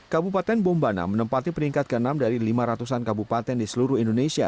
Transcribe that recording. kabupaten bombana menempati peringkat ke enam dari lima ratus an kabupaten di seluruh indonesia